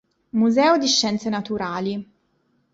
Museo di scienze naturali